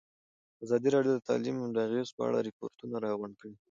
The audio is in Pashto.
ازادي راډیو د تعلیم د اغېزو په اړه ریپوټونه راغونډ کړي.